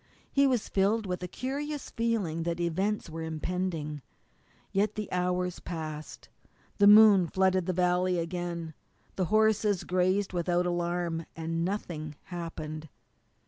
He was filled with a curious feeling that events were impending. Yet the hours passed, the moon flooded the valley again, the horses grazed without alarm, and nothing happened.